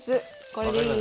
これでいい。